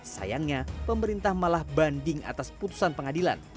sayangnya pemerintah malah banding atas putusan pengadilan